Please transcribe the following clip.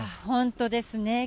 本当ですね。